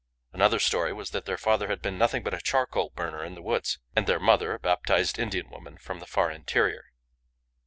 Another story was that their father had been nothing but a charcoal burner in the woods, and their mother a baptised Indian woman from the far interior.